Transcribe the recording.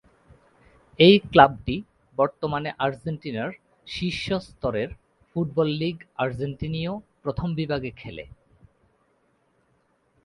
এই ক্লাবটি বর্তমানে আর্জেন্টিনার শীর্ষ স্তরের ফুটবল লীগ আর্জেন্টিনীয় প্রথম বিভাগে খেলে।